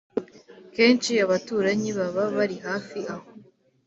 Kenshi abaturanyi baba bari hafi aho